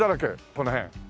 この辺。